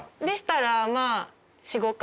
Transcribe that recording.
でしたらまあ。